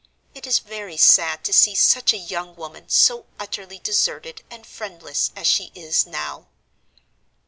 It is very sad to see such a young woman so utterly deserted and friendless as she is now.